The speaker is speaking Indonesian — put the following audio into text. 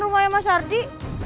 rumahnya mas ardi